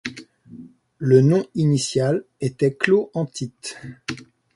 Le nom initial était chloanthite.